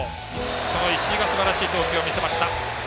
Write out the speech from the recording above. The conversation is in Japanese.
その石井がすばらしい投球を見せました。